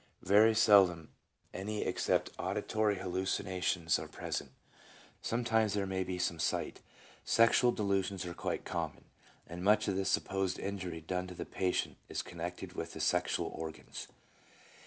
Very seldom any except auditory hallu cinations are present, but sometimes there may be some of sight. Sexual delusions are quite common, and much of the supposed injury done to the patient is connected with the sexual organs.